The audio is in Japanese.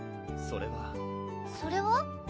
それはそれは？